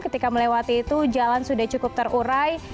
ketika melewati itu jalan sudah cukup terurai